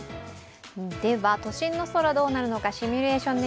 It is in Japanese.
都心の空どうなるのかシミュレーションで